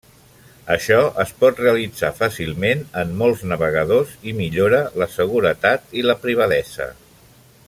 Això es pot realitzar fàcilment en molts navegadors i millora la seguretat i la privadesa.